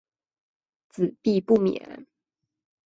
子必不免。